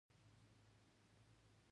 مونږ نور شیان غوښتلای شول.